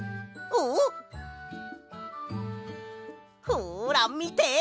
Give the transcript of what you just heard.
ほらみて！